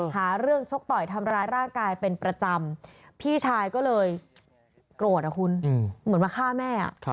หาเรื่องชกต่อยทำร้ายร่างกายเป็นประจำพี่ชายก็เลยโกรธอะคุณเหมือนมาฆ่าแม่